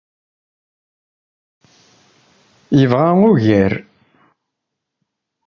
Yebɣa ugar.